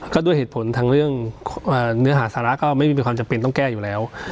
ก็ด้วยเหตุผลทางเรื่องเนื้อหาสาระก็ไม่มีความจำเป็นต้องแก้อยู่แล้ว